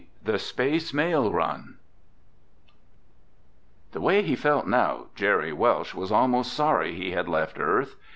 THE SPACE MAIL RUN The way he felt now, Jerry Welsh was almost sorry he had left Earth.